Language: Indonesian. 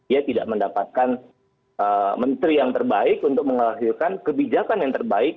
ia tidak mendapatkan menteri yang terbaik untuk menghasilkan kebijakan yang terbaik